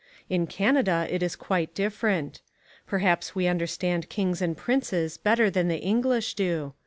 In Canada it is quite different. Perhaps we understand kings and princes better than the English do.